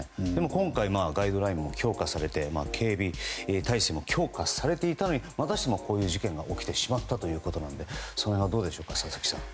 今回、ガイドラインも強化されて警備態勢も強化されていたのにまたしてもこういう事件が起きてしまったということなのでその辺、どうですか佐々木さん。